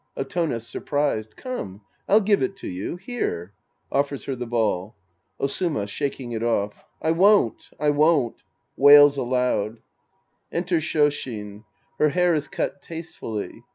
Otone {surprised). Come. I'll give it to you. Here. {Offers her the ball!) Osuma {shaking it off). I won't. I won't. {Wails aloud) {Enter ShSshin. Her hair is cut tastefully.